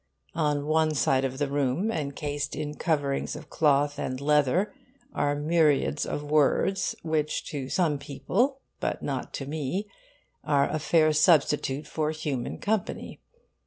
On one side of the room, encased in coverings of cloth and leather, are myriads of words, which to some people, but not to me, are a fair substitute for human company.